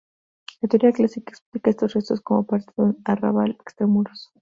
La teoría clásica explica estos restos como parte de un arrabal extramuros.